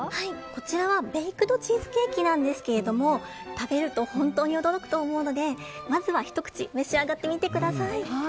こちらはベイクドチーズケーキなんですが食べると本当に驚くと思うのでまずはひと口召し上がってみてください。